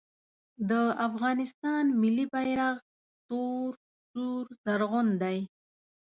د افغانستان ملي بیرغ تور سور زرغون دی